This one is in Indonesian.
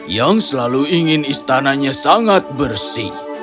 yang selalu ingin istananya sangat bersih